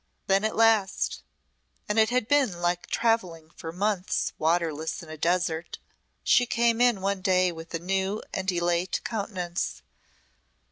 Then at last and it had been like travelling for months waterless in a desert she came in one day with a new and elate countenance.